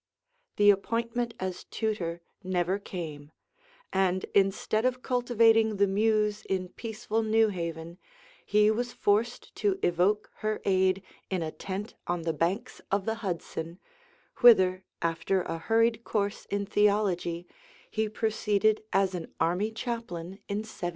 The appointment as tutor never came, and instead of cultivating the Muse in peaceful New Haven, he was forced to evoke her aid in a tent on the banks of the Hudson, whither after a hurried course in theology, he proceeded as an army chaplain in 1780.